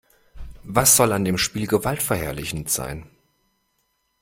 Was soll an dem Spiel gewaltverherrlichend sein?